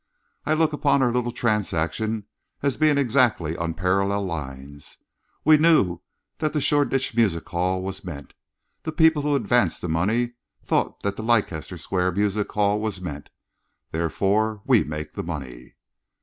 I look upon our little transaction as being exactly on parallel lines. We knew that the Shoreditch Music Hall was meant. The people who advanced the money thought that the Leicester Square Music Hall was meant. Therefore, we make the money."